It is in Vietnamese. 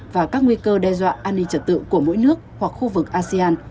và các nguy cơ đe dọa an ninh trật tự của mỗi nước hoặc khu vực asean